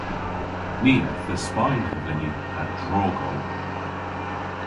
Ni eth dhe Spayn hevleni ha drog o.